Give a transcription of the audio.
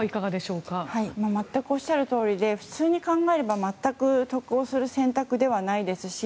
全くおっしゃるとおりで普通に考えれば全く得をする選択ではないですし